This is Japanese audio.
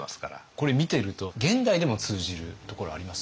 これ見てると現代でも通じるところあります？